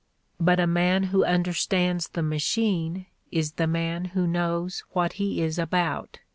But a man who understands the machine is the man who knows what he is about.